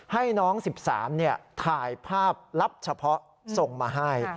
ให้น้อง๑๓ถ่ายภาพลับเฉพาะส่งมาให้